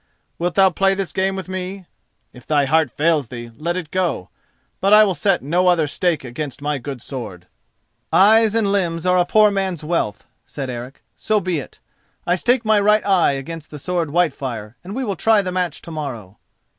Wilt thou play this game with me? If thy heart fails thee, let it go; but I will set no other stake against my good sword." "Eyes and limbs are a poor man's wealth," said Eric: "so be it. I stake my right eye against the sword Whitefire, and we will try the match to morrow."